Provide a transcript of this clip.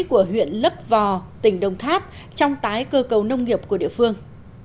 của huyện lấp vò tỉnh đồng tháp trong tái cơ cấu nông nghiệp của địa phương